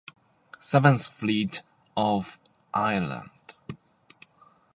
Seventh Fleet off Ireland.